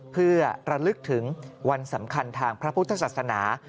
เพื่อระลึกถึงวันสำคัญทางพระพุทธศาสนา